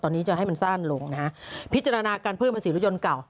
ตอนนี้จะให้มันสั้นลงนะฮะพิจารณาการเพิ่มภาษีรถยนต์เก่า